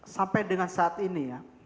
sampai dengan saat ini ya